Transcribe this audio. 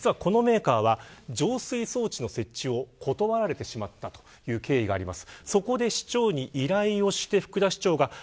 このメーカーは浄水装置の設置を断られてしまった経緯があります。